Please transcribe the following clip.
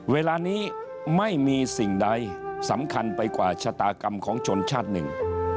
เวลานี้ไม่มีสิ่งใดสำคัญไปกว่าชะตากรรมของชนชาติหนึ่ง